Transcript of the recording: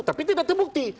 tapi tidak terbukti